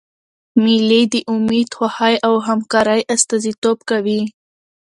مېلې د امېد، خوښۍ او همکارۍ استازیتوب کوي.